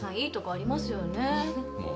いいとこありますよね。